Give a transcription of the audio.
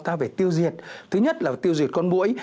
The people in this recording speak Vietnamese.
ta phải tiêu diệt thứ nhất là tiêu diệt con mũi